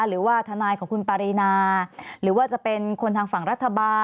หรือว่าทนายของคุณปารีนาหรือว่าจะเป็นคนทางฝั่งรัฐบาล